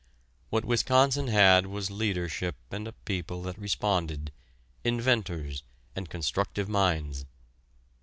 What Wisconsin had was leadership and a people that responded, inventors, and constructive minds.